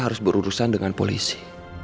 harus berurusan dengan polisi